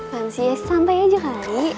lan siya santai aja kali